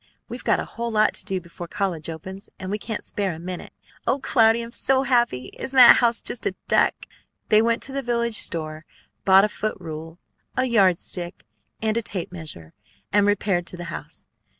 We've got a whole lot to do before college opens, and we can't spare a minute. O Cloudy! I'm so happy! Isn't that house just a duck?" They went to the village store, bought a foot rule, a yardstick, and a tape measure, and repaired to the house.